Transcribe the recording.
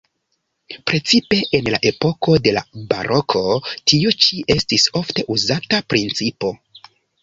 Precipe en la epoko de la baroko tio ĉi estis ofte uzata principo.